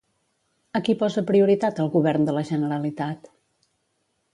A qui posa prioritat el govern de la Generalitat?